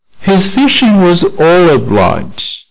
His fishing was all a blind.